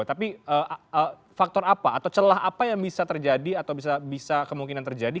tapi faktor apa atau celah apa yang bisa terjadi atau bisa kemungkinan terjadi